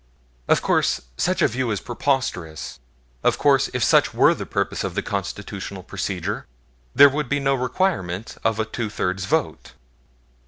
Of course, such a view is preposterous; of course, if such were the purpose of the Constitutional procedure there would be no requirement of a two thirds vote.